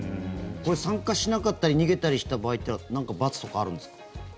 これ、参加しなかったり逃げたりした場合というのは何か罰とかあるんですか？